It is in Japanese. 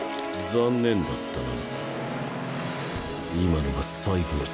残念だったな。